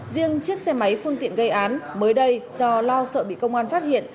riêng chiếc xe máy phương tiện gây án mới đây do lo sợ bị công an phát hiện